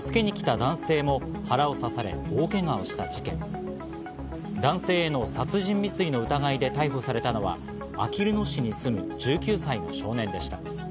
男性への殺人未遂の疑いで逮捕されたのは、あきる野市に住む１９歳の少年でした。